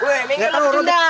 weh mengangkat jendang